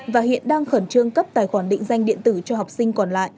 và hiện đang khẩn trương cấp tài khoản định danh điện tử cho học sinh còn lại